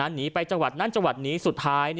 หนีไปจังหวัดนั้นจังหวัดนี้สุดท้าย